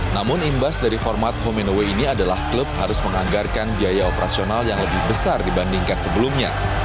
namun imbas dari format human away ini adalah klub harus menganggarkan biaya operasional yang lebih besar dibandingkan sebelumnya